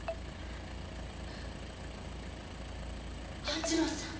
半次郎さん！